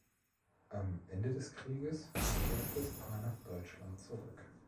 Am Ende des Krieges kehrte das Paar nach Deutschland zurück.